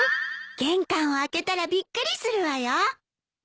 玄関を開けたらびっくりするわよ。